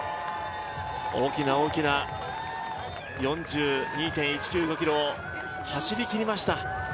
大きな大きな４２．１９５ｋｍを走りきりました。